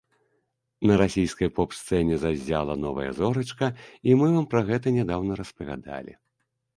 На расійскай поп-сцэне заззяла новая зорачка, і мы вам пра гэта нядаўна распавядалі.